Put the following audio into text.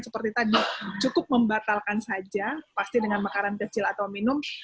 seperti tadi cukup membatalkan saja pasti dengan makanan kecil atau minum